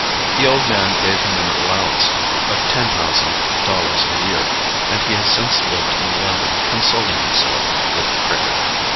The old man gave him an allowance of $10,000 a year and he has since lived in London consoling himself with cricket.